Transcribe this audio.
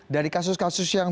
dari kasus kasus yang